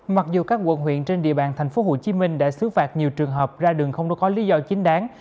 mặc dù các quận huyện trên địa bàn tp hcm đã xứ phạt nhiều trường hợp ra đường không có lý do chính đáng